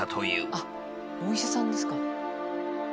あっお医者さんですか。